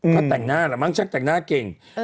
ก็แต่งหน้าแหละมั้งชักแต่งหน้าเก่ง